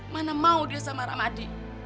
mana mau dia sama rahmadi